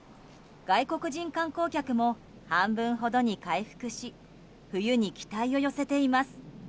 外国人観光客も半分ほどに回復し冬に期待を寄せています。